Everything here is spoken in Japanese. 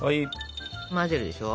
混ぜるでしょ。